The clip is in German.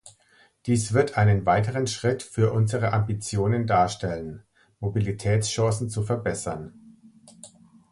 Dies wird einen weiteren Schritt für unsere Ambitionen darstellen, Mobilitätschancen zu verbessern.